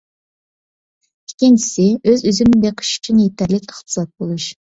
ئىككىنچىسى، ئۆز-ئۆزۈمنى بېقىش ئۈچۈن يېتەرلىك ئىقتىساد بولۇش.